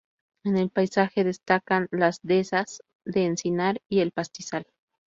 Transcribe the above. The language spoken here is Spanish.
En el paisaje destacan las dehesas de encinar y el pastizal.